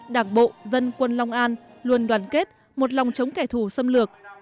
đảng bộ dân quân long an luôn đoàn kết một lòng chống kẻ thù xâm lược